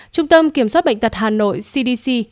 trung tâm kiểm soát bệnh tật hà nội cdc